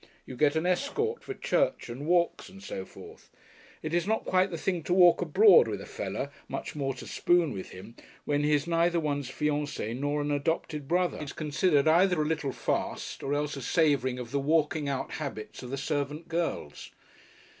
You get an escort for church and walks and so forth. It is not quite the thing to walk abroad with a "feller," much more to "spoon" with him, when he is neither one's fiancé nor an adopted brother; it is considered either a little fast, or else as savouring of the "walking out" habits of the servant girls.